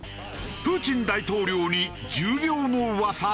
プーチン大統領に重病の噂？